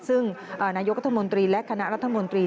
ซึ่งนายกรัฐมนตรีและคณะรัฐมนตรี